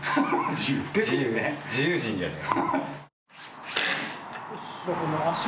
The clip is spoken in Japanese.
自由自由人じゃない？